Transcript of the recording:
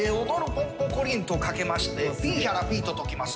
ポンポコリンとかけましてピーヒャラピとときます